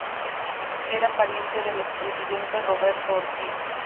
Era pariente del expresidente Roberto Ortiz.